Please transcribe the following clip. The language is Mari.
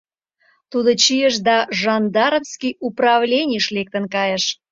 Тудо чийыш да жандармский управленийыш лектын кайыш.